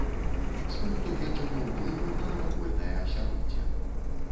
З пункту гледжання ўплыву на навакольнае асяроддзе.